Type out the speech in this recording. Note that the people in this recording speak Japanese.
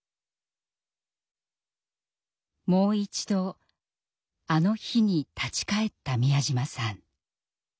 もう一度あの日に立ち返った美谷島さん。